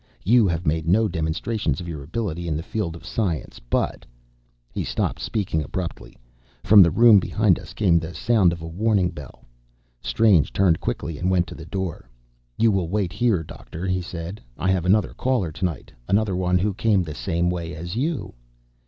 You have made no demonstrations of your ability in the field of science, but " He stopped speaking abruptly. From the room behind us came the sound of a warning bell. Strange turned quickly and went to the door. "You will wait here, Doctor," he said. "I have another caller to night. Another one who came the same way as you!"